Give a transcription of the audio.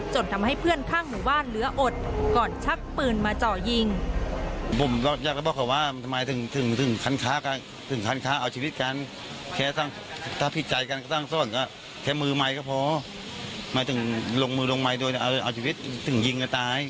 ทำให้เพื่อนข้างหมู่บ้านเหลืออดก่อนชักปืนมาเจาะยิง